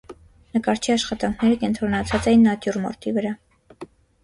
Նկարչի աշխատանքները կենտրոնացած էին նատյուրմորտի վրա։